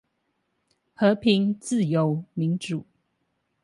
和平、自由、民主